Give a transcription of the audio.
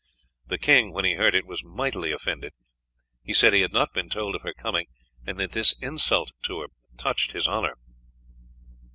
The king when he heard it was mightily offended. He said he had not been told of her coming, and that this insult to her touched his honour.